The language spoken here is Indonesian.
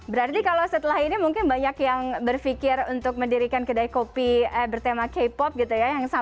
berarti kalau setelah ini mungkin banyak yang berpikir untuk mendirikan kedai kopi bertema k pop gitu ya